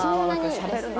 しゃべるな。